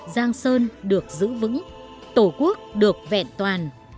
giang sơn được giữ vững tổ quốc được vẹn toàn